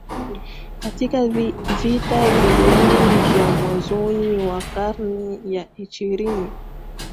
katika vita viwili vya mwanzoni wa karne ya ishirini